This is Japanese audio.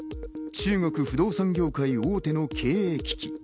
中国不動産業界大手の経営危機。